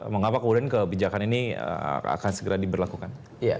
mengapa kemudian kebijakan ini akan segera diberlakukan